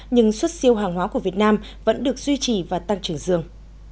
nhưng suất siêu hàng hóa của việt nam vẫn được duy trì và tăng trưởng dường